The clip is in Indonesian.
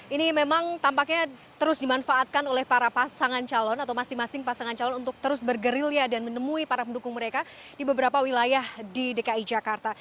ini memang tampaknya terus dimanfaatkan oleh para pasangan calon atau masing masing pasangan calon untuk terus bergerilya dan menemui para pendukung mereka di beberapa wilayah di dki jakarta